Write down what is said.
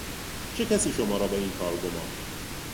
چه کسی شما را به این کار گماشت؟